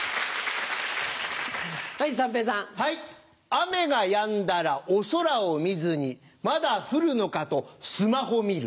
雨がやんだらお空を見ずにまだ降るのかとスマホ見る。